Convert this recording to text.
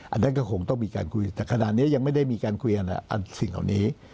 อันนั้นก็คงต้องมีการคุยแต่ขนาดนี้ยังไม่ได้มีการคุยกันสิ่งเหล่านี้